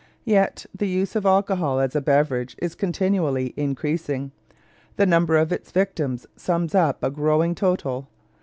Yet the use of alcohol as a beverage is continually increasing. The number of its victims sums up a growing total.